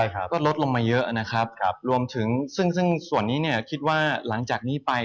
ก็ลดลงมาเยอะนะครับรวมถึงซึ่งซึ่งส่วนนี้เนี่ยคิดว่าหลังจากนี้ไป